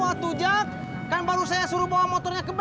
waktu jak kan baru saya suruh bawa motornya ke bengkel